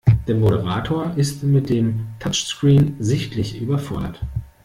Der Moderator ist mit dem Touchscreen sichtlich überfordert.